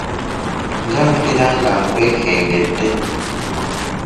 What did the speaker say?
Nga mpulira nga nkwekengedde!